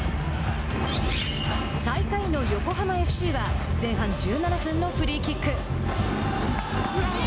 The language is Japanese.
最下位の横浜ＦＣは前半１７分のフリーキック。